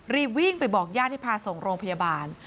รีบวิ่งไปบอกญาติให้พาส่งโรงพยาบาล